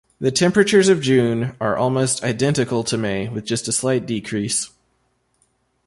The temperatures of June are almost identical to May, with just a slight decrease.